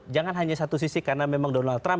jangan hanya satu sisi karena memang donald trump